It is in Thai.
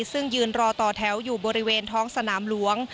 ซึ่งยืนรอต่อแถวอยู่บริเวณท้องสนามหลวง